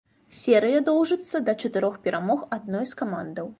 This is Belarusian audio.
Серыя доўжыцца да чатырох перамог адной з камандаў.